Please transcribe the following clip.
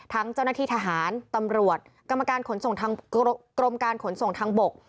ทั้งเจ้าหน้าที่ทหารตำรวจกรมการขนส่งทางบก